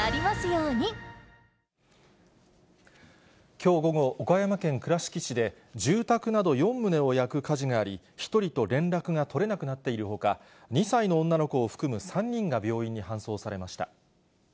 きょう午後、岡山県倉敷市で住宅など４棟を焼く火事があり、１人と連絡が取れなくなっているほか、２歳の女の子を含む３人が病院に搬送されました。